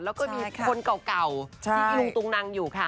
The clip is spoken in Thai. แล้วก็มีคนเก่าที่พี่ลุงตุงนังอยู่ค่ะ